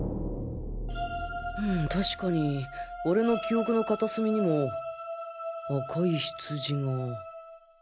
確かに俺の記憶の片隅にも赤いヒツジが